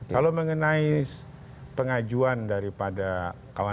kalau mengenai pengajuan daripada mas arief